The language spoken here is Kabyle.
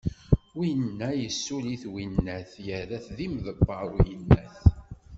Winna yessuli-t winnat, yerra-t d imeḍbeṛ uyennat.